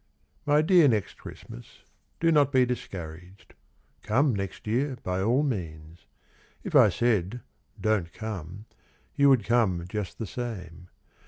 My dear Next Christmas, Do not be discouraged, Come next year by all means; If I said "Don't come" You would come just the same.